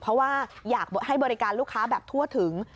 เพราะว่าอยากให้บริการลูกค้าแบบทั่วถึง